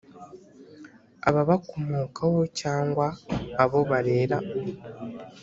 ababakomokaho cyangwa abo barera